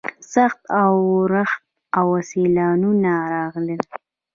سخت اورښت او سیلاوونه راغلل.